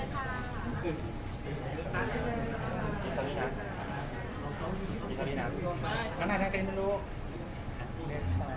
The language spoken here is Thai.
สวัสดีครับ